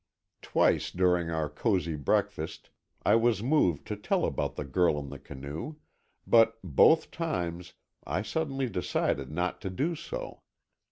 Twice during our cosy breakfast I was moved to tell about the girl in the canoe, but both times I suddenly decided not to do so.